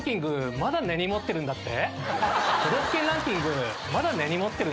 まだ根に持ってるんだって？